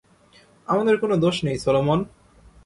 আমাদের কোন দোষ নেই, সলোমন।